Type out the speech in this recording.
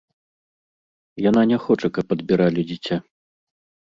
Яна не хоча, каб адбіралі дзіця.